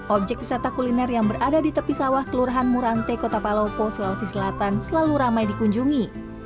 objek wisata kuliner yang berada di tepi sawah kelurahan murante kota palopo sulawesi selatan selalu ramai dikunjungi